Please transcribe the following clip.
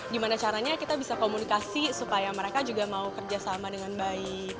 gimana caranya kita bisa komunikasi supaya mereka juga mau kerjasama dengan baik